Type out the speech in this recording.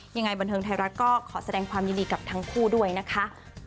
ยังไงบันเทิงไทยรัฐก็ขอแสดงความยินดีกับทั้งคู่ด้วยนะคะ